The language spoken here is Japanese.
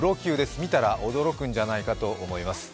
見たら驚くんじゃないかと思います。